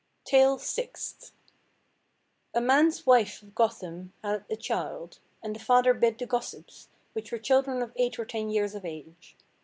TALE SIXTH. A man's wife of Gotham had a child, and the father bid the gossips, which were children of eight or ten years of age.